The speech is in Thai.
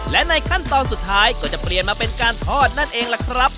และในขั้นตอนสุดท้ายก็จะเปลี่ยนมาเป็นการทอดนั่นเองล่ะครับ